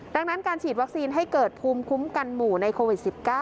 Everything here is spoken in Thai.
ดังนั้นการฉีดวัคซีนให้เกิดภูมิคุ้มกันหมู่ในโควิด๑๙